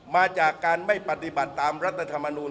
มาจากการไม่ปฏิบัติตามรัฐธรรมนูล